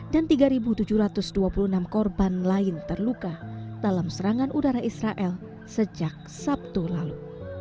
dan tiga tujuh ratus dua puluh enam korban lain terluka dalam serangan udara israel sejak sabtu lalu